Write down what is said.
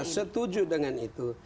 setuju dengan itu